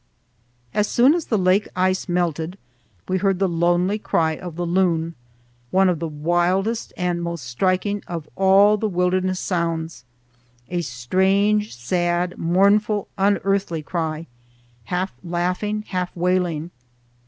As soon as the lake ice melted, we heard the lonely cry of the loon, one of the wildest and most striking of all the wilderness sounds, a strange, sad, mournful, unearthly cry, half laughing, half wailing.